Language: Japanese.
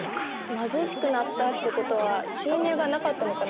貧しくなったってことは収入がなかったのかな？